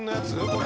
これ。